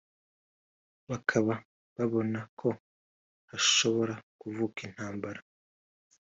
bakaba babona ko hashobora kuvuka intambara